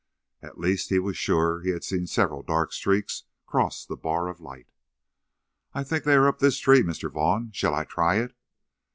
At least he was sure he had seen several dark streaks cross the bar of light. "I think they are up this tree, Mr. Vaughn. Shall I try it?"